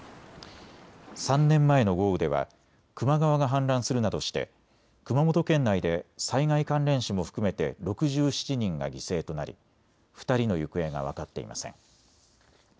３年前の豪雨では球磨川が氾濫するなどして熊本県内で災害関連死も含めて６７人が犠牲となり２人の行方が分かっていません。